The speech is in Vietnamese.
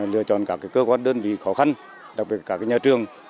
lựa chọn các cơ quan đơn vị khó khăn đặc biệt các nhà trường